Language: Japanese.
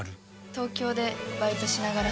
東京でバイトしながら。